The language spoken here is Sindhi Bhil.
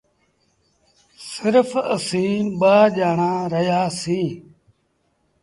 سرڦ اَسيٚݩ ٻآ ڄآڻآن رهيآ سيٚݩ۔